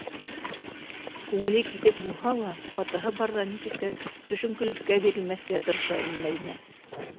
Күңеле китек булһа ла, атаһы барҙа нисек тә төшөнкөлөккә бирелмәҫкә тырыша ине Мәҙинә.